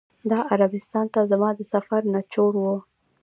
دا عربستان ته زما د سفر نچوړ و.